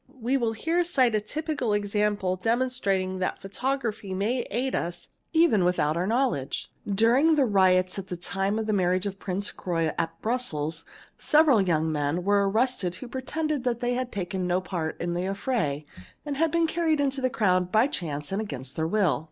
We will here cite a typical example demonstrating that photography 'May aid us even without our knowledge. During the riots at the time 'of the marriage of Prince Croy at Brussels several young men were irrested who pretended that they had taken no part in the affray and ; been carried into the crowd by chance and against their will.